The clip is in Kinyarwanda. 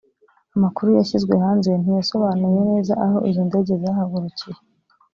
Amakuru yashyizwe hanze ntiyasobanuye neza aho izo ndege zahagurukiye